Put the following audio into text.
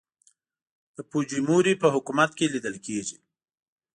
د فوجیموري په حکومت کې لیدل کېږي.